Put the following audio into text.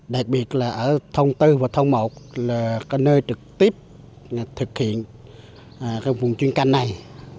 đặc biệt là ở thông bốn và thông một là nơi trực tiếp thực hiện vùng chuyên canh này